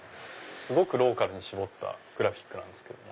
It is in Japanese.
すごくローカルに絞ったグラフィックなんですけどね。